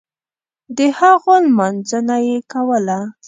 دهغو لمانځنه یې کوله.